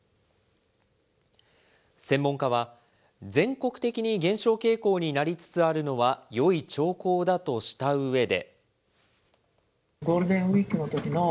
専門家は、全国的に減少傾向になりつつあるのはよい兆候だとしたうえで。